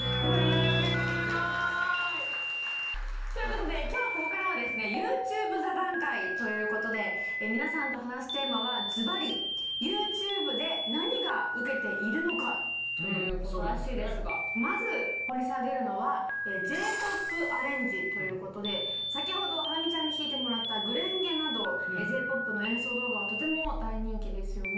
すごい！ということで今日ここからはですねＹｏｕＴｕｂｅ座談会ということで皆さんと話すテーマはズバリＹｏｕＴｕｂｅで何が受けているのかということらしいですがまず掘り下げるのは先ほどハラミちゃんに弾いてもらった「紅蓮華」などＪ−ＰＯＰの演奏動画はとても大人気ですよね